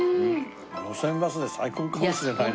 『路線バス』で最高かもしれないな。